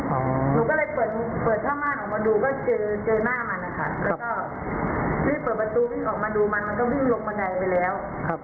หนูก็เลยเปิดช่องบ้านออกมาดูก็เจอเจอหน้ามันนะคะแล้วก็รีบเปิดประตูวิ่งออกมาดูมันมันก็วิ่งลงบันไดไปแล้ว